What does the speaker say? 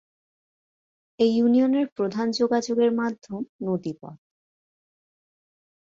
এ ইউনিয়নের প্রধান যোগাযোগের মাধ্যম নদী পথ।